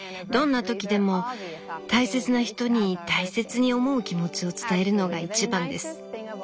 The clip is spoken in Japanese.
どんな時でも大切な人に大切に思う気持ちを伝えるのが一番です。